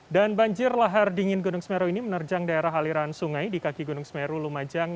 dan banjir lahar dingin gunung semeru ini menerjang daerah aliran sungai di kaki gunung semeru lumajang